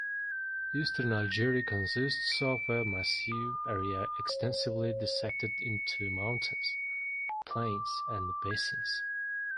Eastern Algeria consists of a massive area extensively dissected into mountains, plains, and basins.